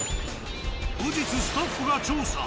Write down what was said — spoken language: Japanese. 後日スタッフが調査。